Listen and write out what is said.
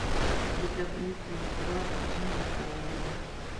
د تبعیض د یوه پراخ رژیم برقرارول دي.